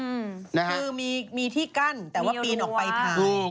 คือมีที่กั้นแต่ว่าปีนออกไปถ่ายนะครับผมเหนียวรู้ว่า